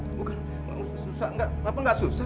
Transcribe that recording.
enggak susah papa enggak susah